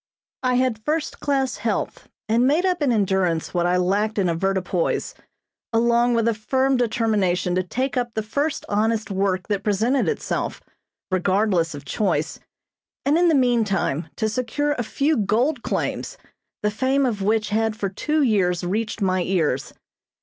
I had first class health and made up in endurance what I lacked in avoirdupois, along with a firm determination to take up the first honest work that presented itself, regardless of choice, and in the meantime to secure a few gold claims, the fame of which had for two years reached my ears.